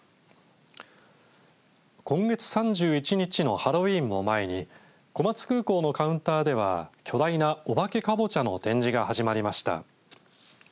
今月３１日のハロウィーンを前に小松空港のカウンターでは巨大なおばけかぼちゃの展示が始まりました。